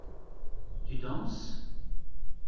Tu danses ?